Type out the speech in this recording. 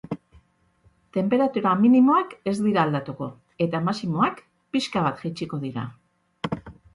Tenperatura minimoak ez dira aldatuko eta maximoak pixka bat jaitsiko dira.